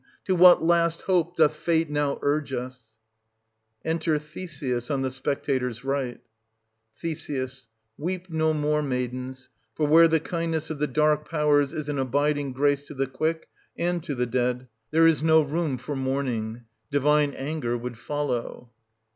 1750 To what last hope doth fate now urge us ? Enter THESEUS, on the spectators^ right, syst Th. Weep no more, maidens ; for where the kind ness of the Dark Powers is an abiding grace to the quick and to the dead, there is no room for mourning ; divine anger would follow.